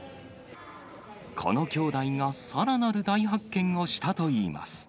この兄弟がさらなる大発見をしたといいます。